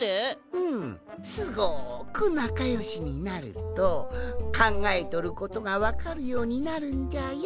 うんすごくなかよしになるとかんがえとることがわかるようになるんじゃよ。